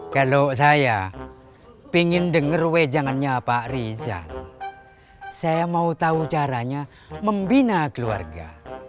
kalau saya ingin denger weh jangannya pak rizal saya mau tahu caranya membina keluarga